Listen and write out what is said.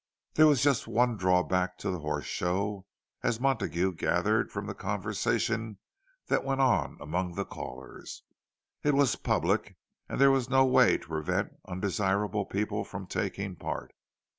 There was just one drawback to the Horse Show, as Montague gathered from the conversation that went on among the callers: it was public, and there was no way to prevent undesirable people from taking part.